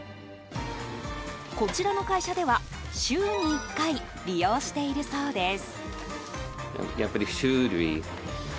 こちらの会社では週に１回利用しているそうです。